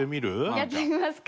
やってみますか。